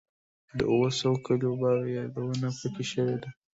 د اووه سوه کیلو بار یادونه په کې شوې وه.